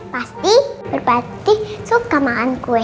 pasti berpatih suka makan kue